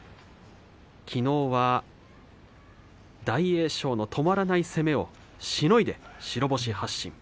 きのうは大栄翔の止まらない攻めをしのいで白星発進。